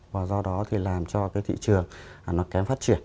và do đó thì làm cho cái thị trường nó kém phát triển